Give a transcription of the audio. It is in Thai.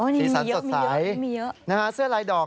สีสันสดใสนะฮะเสื้อลายดอก